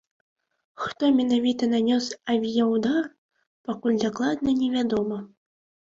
Хто менавіта нанёс авіяўдар, пакуль дакладна не вядома.